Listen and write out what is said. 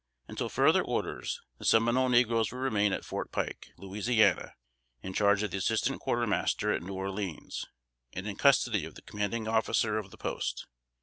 Until further orders, the Seminole negroes will remain at Fort Pike, Louisiana, in charge of the Assistant Quarter Master at New Orleans, and in custody of the Commanding Officer of the post.